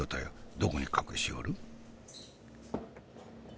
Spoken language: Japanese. どこに隠しおる？